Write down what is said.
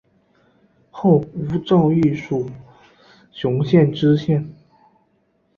后吴兆毅署雄县知县。